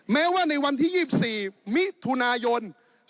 แม้ว่าในวันที่๒๔มิถุนายน